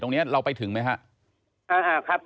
ตรงนี้เราไปถึงไหมครับ